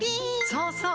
そうそう！